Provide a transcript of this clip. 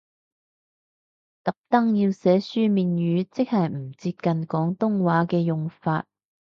特登要寫書面語，即係唔接近廣東話嘅用法？